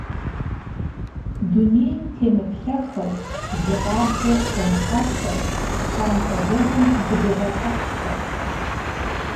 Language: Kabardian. Дунейм темыплъэхэу, жьы къабзэ хэмыхьэххэу пщӀантӀэ зэвым дыбогъэлӀыххэр.